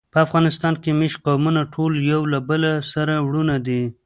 په افغانستان کې مېشت قومونه ټول یو له بله سره وروڼه دي.